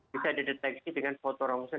bisa dideteksi dengan fotoroksion